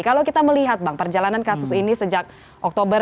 kalau kita melihat bang perjalanan kasus ini sejak oktober dua ribu dua puluh dua